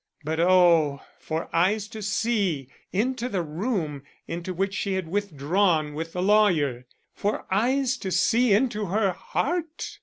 But oh, for eyes to see into the room into which she had withdrawn with the lawyer! For eyes to see into her heart!